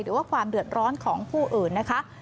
หรือว่าความเดือดร้อนของผู้อื่นนะคะ